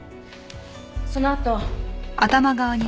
そのあと。